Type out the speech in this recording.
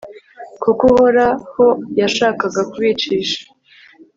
kuko uhoraho yashakaga kubicisha